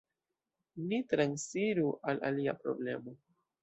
Ni transiru al alia problemo.